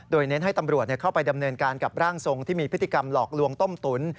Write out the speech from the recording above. โดยเน้นให้ตำรวจเข้าไปดำเนินการกับร่างทรงที่มีพฤติกรรมหลอกลวงต้มตุ๋น